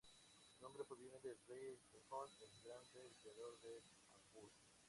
Su nombre proviene del Rey Sejong el Grande, el creador de Hangul.